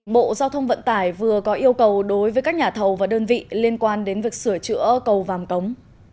bộ giao thông vận tải vừa có yêu cầu đối với các nhà thầu và đơn vị liên quan đến việc sửa chữa cầu vàm cống